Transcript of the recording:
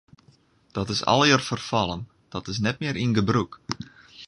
Dat is allegear ferfallen, dat is net mear yn gebrûk.